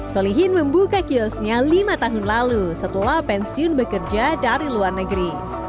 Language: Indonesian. solihin membuka kiosnya lima tahun lalu setelah pensiun bekerja dari luar negeri